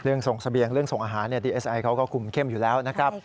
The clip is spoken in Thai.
ส่งเสบียงเรื่องส่งอาหารดีเอสไอเขาก็คุมเข้มอยู่แล้วนะครับ